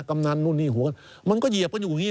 กำนันนู่นนี่หวนมันก็เหยียบกันอยู่อย่างนี้